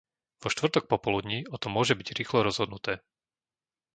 Vo štvrtok popoludní o tom môže byť rýchlo rozhodnuté.